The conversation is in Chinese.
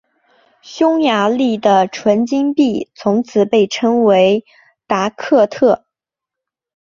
匈牙利的纯金币从此被称为达克特。